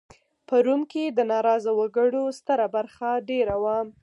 په روم کې د ناراضه وګړو ستره برخه دېره وه